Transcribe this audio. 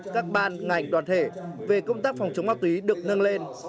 các ban ngành đoàn thể về công tác phòng chống ma túy được nâng lên